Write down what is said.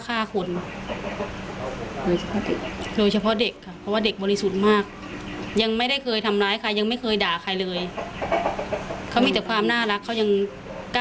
แม่ของน้องสมผู้บอกว่าโอ้โหคนในครอบครัวห่างเหินกันไปหมดทุกคนเลยอะค่ะ